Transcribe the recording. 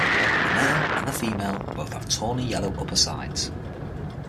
The male and the female both have tawny-yellow uppersides.